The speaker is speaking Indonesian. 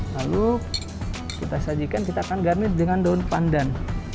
lalu kita sajikan kita akan garmit dengan daun pandan